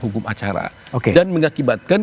hukum acara dan mengakibatkan